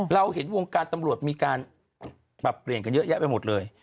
เราเห็นวงการตำรวจมีการปรับเปลี่ยนกันเยอะแยะไปหมดเลย